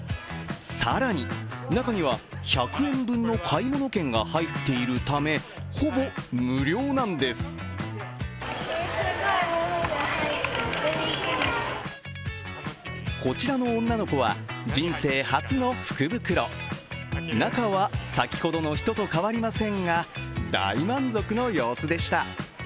更に、中には１００円分の買い物券が入っているため、ほぼ無料なんですこちらの女の子は、人生初の福袋中は先ほどの人と変わりませんが大満足の様子でした。